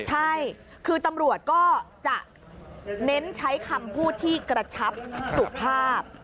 ใช่คือตำรวจก็จะเน้นใช้คำพูดที่กระชับสุภาพ